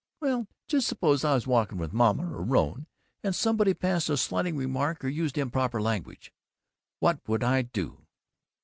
"Well, just suppose I was walking with Mama or Rone, and somebody passed a slighting remark or used improper language. What would I do?"